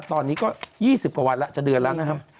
ตอนนี้ก็๒๐กว่าวันแล้วจะเดือนแล้วนะครับ